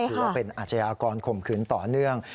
ถือว่าเป็นอาชญากรข่มขืนต่อเนื่อง